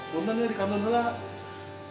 tunggu nanti di kantor belakang